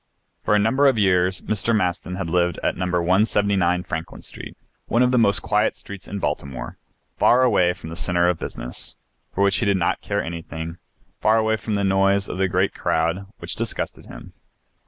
For a number of years Mr. Maston had lived at No. 179 Franklin Street, one of the most quiet streets of Baltimore, far away from the centre of business, for which he did not care anything, far away from the noise of the great crowd, which disgusted him.